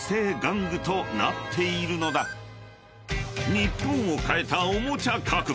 ［日本を変えたおもちゃ革命］